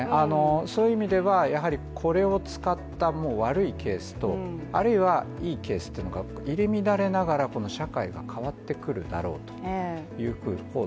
そういう意味ではこれを使った悪いケースとあるいは、いいケースというのが入り乱れながら、この社会が変わってくるだろうというふうに。